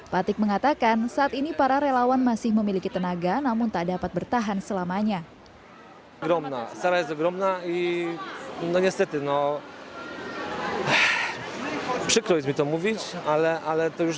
patik mengatakan saat ini para relawan masih memiliki tenaga namun tak dapat bertahan selamanya